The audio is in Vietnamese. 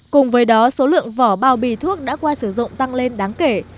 cùng với đó số lượng vỏ bao bì thuốc đã qua sử dụng tăng lên đáng kể